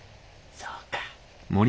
そうか。